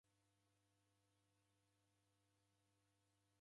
W'andu ikumi w'eshoghonoka.